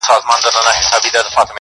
حجرې ته یم راغلې طالب جان مي پکښي نسته.!